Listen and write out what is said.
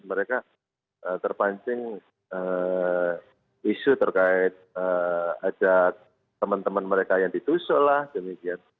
mereka terpancing isu terkait ada teman teman mereka yang ditusuk lah demikian